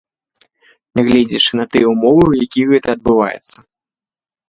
Нягледзячы на тыя ўмовы, у якіх гэта адбываецца.